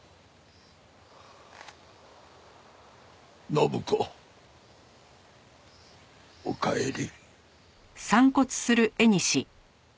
展子おかえり。